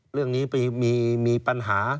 เรื่องนี้มีปัญหา